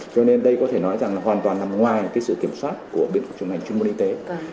cho nên đây có thể nói rằng là hoàn toàn nằm ngoài cái sự kiểm soát của bên chủng hành chung môn y tế